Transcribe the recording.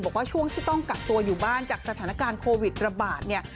บอกว่าช่วงที่ต้องกักตัวอยู่บ้านจากสถานการณ์โควิดระบาดเนี่ย